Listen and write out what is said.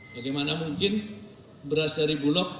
bagaimana mungkin beras dari bulog